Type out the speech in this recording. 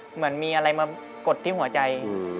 เหมือนมีอะไรมากดที่หัวใจ